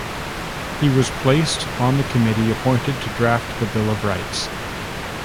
He was placed on the committee appointed to draft the Bill of Rights.